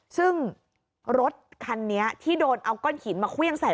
ซึ่งรถคันนี้ที่โดนเอาก้อนหินมาเครื่องใส่